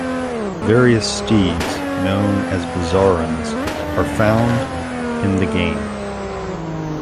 Various steeds known as bizarrians are found in the game.